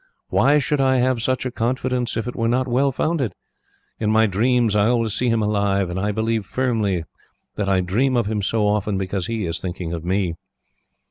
Why should I have such a confidence, if it were not well founded? In my dreams, I always see him alive, and I believe firmly that I dream of him so often, because he is thinking of me.